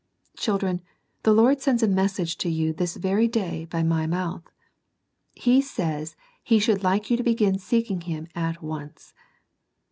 Children, the Lord sends a message to you this very day by my mouth. He says He should like you to begin seeking Him at once.